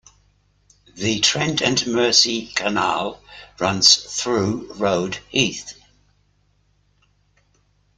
The Trent and Mersey Canal runs through Rode Heath.